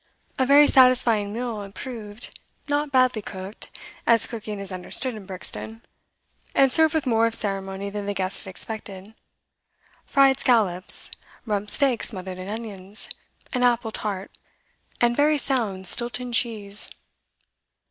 A very satisfying meal it proved; not badly cooked, as cooking is understood in Brixton, and served with more of ceremony than the guest had expected. Fried scallops, rump steak smothered in onions, an apple tart, and very sound Stilton cheese.